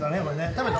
食べた？